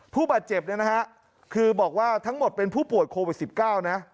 ผู้บาดเจ็บเนี่ยนะฮะคือบอกว่าทั้งหมดเป็นผู้ป่วยโควิด๑๙นะ